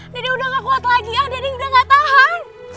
dede udah gak kuat lagi a dede udah gak tahan